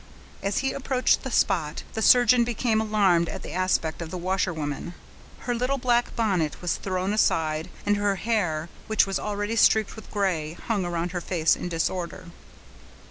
As he approached the spot, the surgeon became alarmed at the aspect of the washerwoman. Her little black bonnet was thrown aside, and her hair, which was already streaked with gray, hung around her face in disorder.